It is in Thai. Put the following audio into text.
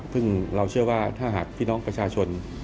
ซึ่งเราเชื่อว่าถ้าหากพี่น้องประชาชน